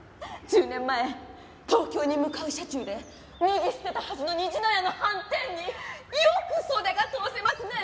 １０年前東京に向かう車中で脱ぎ捨てたはずの虹の屋のはんてんによく袖が通せますね！？